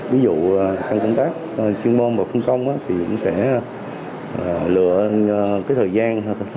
ví dụ trong công tác chuyên môn và phân công thì cũng sẽ lựa cái thời gian